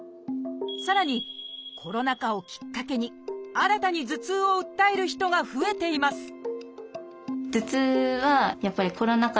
さらにコロナ禍をきっかけに新たに頭痛を訴える人が増えています